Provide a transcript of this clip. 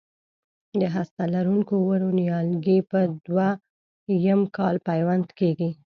د هسته لرونکو ونو نیالګي په دوه یم کال پیوند کېږي.